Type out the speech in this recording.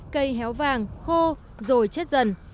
cây héo vàng khô rồi chết dần